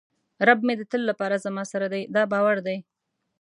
رب مې د تل لپاره زما سره دی دا باور دی.